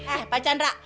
eh pak jandra